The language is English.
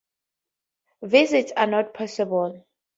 Visits are not possible.